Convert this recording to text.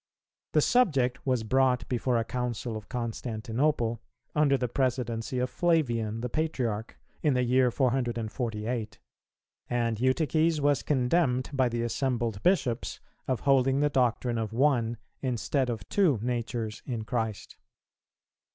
The subject was brought before a Council of Constantinople, under the presidency of Flavian, the Patriarch, in the year 448; and Eutyches was condemned by the assembled Bishops of holding the doctrine of One, instead of Two Natures in Christ.